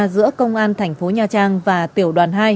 giữa công an thành phố nha trang và tiểu đoàn hai